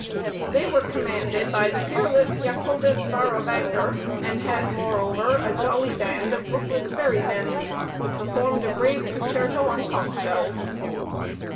They were commanded by the fearless Jacobus Varra Vanger, and had, moreover, a jolly band of Breuckelen ferry men, who performed a brave concerto on conch shells.